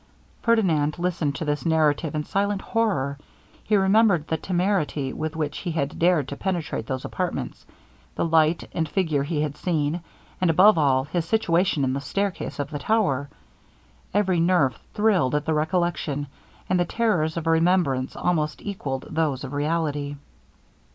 Ferdinand listened to this narrative in silent horror. He remembered the temerity with which he had dared to penetrate those apartments the light, and figure he had seen and, above all, his situation in the stair case of the tower. Every nerve thrilled at the recollection; and the terrors of remembrance almost equalled those of reality.